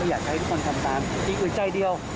อยากให้ทุกคนทำตามอีกอึดใจเดียว